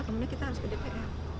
kemudian kita harus ke dpr